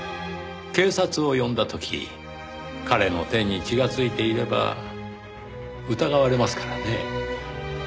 警察を呼んだ時彼の手に血がついていれば疑われますからね。